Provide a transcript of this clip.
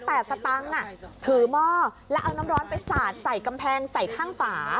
แต่สตังค์ถือหม้อแล้วเอาน้ำร้อนไปสาดใส่กำแพงใส่ข้างฝา